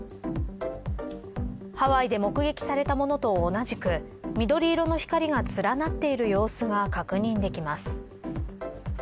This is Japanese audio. ハワイで目撃されたものと同じく緑色の光が連なっている様子が確認できます。